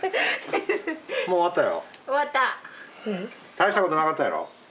大したことなかったやろ。